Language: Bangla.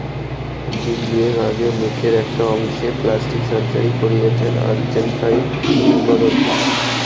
দিন দুয়েক আগে মুখের একটা অংশে প্লাস্টিক সার্জারি করিয়েছেন আর্জেন্টাইন কিংবদন্তি।